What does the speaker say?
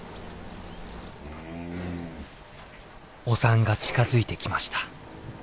お産が近づいてきました。